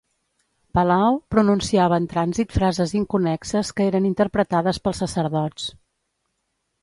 Palao pronunciava en trànsit frases inconnexes que eren interpretades pels sacerdots.